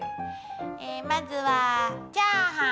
えまずはチャーハン。